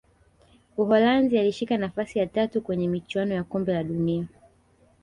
uholanzi alishika nafasi ya tatu kwenye michuano ya kombe la dunia